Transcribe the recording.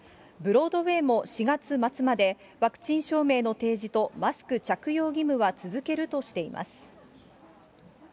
ブロードウェーも４月末まで、ワクチン証明の提示とマスク着用の義務は続けるとしています。